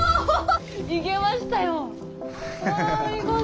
いけましたよ。